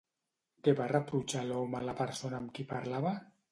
Què va reprotxar l'home a la persona amb qui parlava?